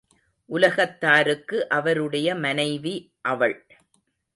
உலகத்தாருக்கு அவருடைய மனைவி அவள்.